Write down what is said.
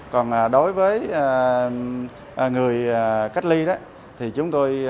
còn đối với người cách ly đó thì chúng tôi